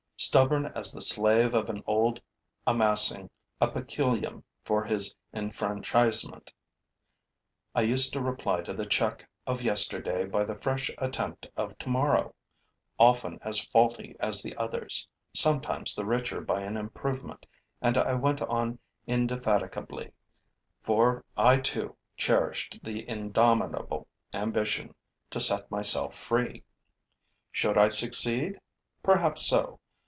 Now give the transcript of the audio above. Stubborn as the slave of old amassing a peculium for his enfranchisement, I used to reply to the check of yesterday by the fresh attempt of tomorrow, often as faulty as the others, sometimes the richer by an improvement, and I went on indefatigably, for I too cherished the indomitable ambition to set myself free. Should I succeed? Perhaps so.